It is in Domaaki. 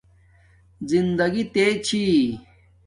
زندگݵ تے چھی